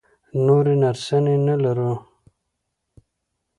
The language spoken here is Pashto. نورې نرسانې نه لرو؟